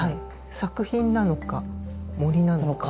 作品なのか森なのか。